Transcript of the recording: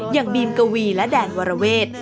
อย่างบีมกวีและแดนวรเวท